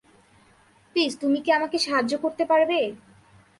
Please তুমি কী আমাকে সাহায্য করতে পারবে?